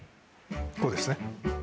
こうですね。